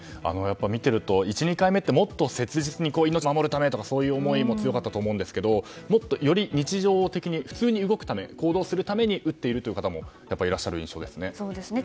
見てると、１２回目ってもっと切実に命を守るため！とかそういう思いも強かったと思いますがより日常的に普通に動くために行動するために打っている方もいらっしゃる印象ですね。